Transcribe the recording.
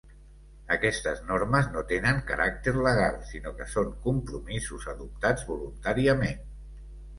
Aquestes normes no tenen caràcter legal sinó que són compromisos adoptats voluntàriament.